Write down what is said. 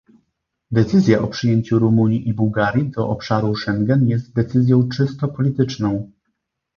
Decyzja o przyjęciu Rumunii i Bułgarii do obszaru Schengen jest decyzją czysto polityczną